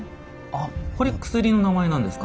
あこれ薬の名前なんですか？